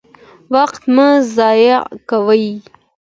وخت مه ضایع کوئ